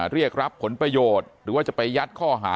เรียกรับผลประโยชน์หรือว่าจะไปยัดข้อหา